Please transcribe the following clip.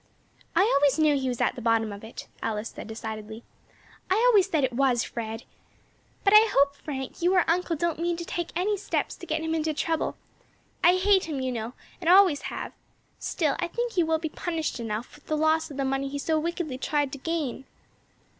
"I always knew he was at the bottom of it," Alice said decidedly. "I always said it was Fred. But I hope, Frank, you or uncle don't mean to take any steps to get him into trouble. I hate him, you know, and always have; still, I think he will be punished enough with the loss of the money he so wickedly tried to gain."